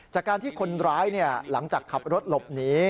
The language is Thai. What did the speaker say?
จากการที่คนร้ายหลังจากขับรถหลบหนี